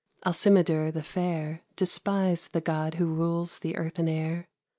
Alcimadure the fair Despised the god who rules the earth and air.